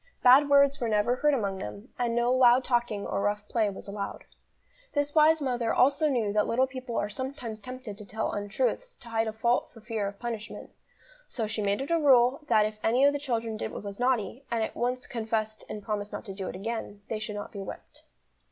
Bad words were never heard among them, and no loud talking or rough play was allowed. This wise mother also knew that little people are sometimes tempted to tell untruths to hide a fault for fear of punishment, so she made it a rule that if any of the children did what was naughty, and at once confessed and promised not to do it again, they should not be whipped.